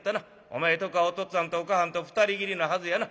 お前とこはお父っつぁんとお母はんと２人きりのはずやな。